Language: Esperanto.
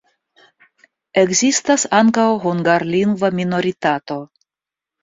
Ekzistas ankaŭ hungarlingva minoritato.